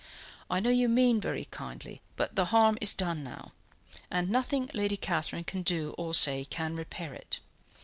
I know you mean very kindly, but the harm is done now, and nothing Lady Catherine can do or say can repair it.